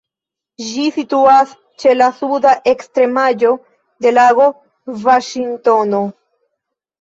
Ĝi situas ĉe la suda ekstremaĵo de Lago Vaŝingtono.